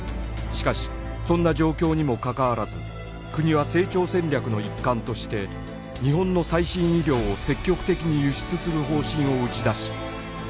しかしそんな状況にもかかわらず国は成長戦略の一環として日本の最新医療を積極的に輸出する方針を打ち出し